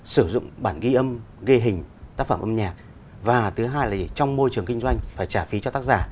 sử dụng bản ghi âm ghi hình tác phẩm âm nhạc và thứ hai là trong môi trường kinh doanh và trả phí cho tác giả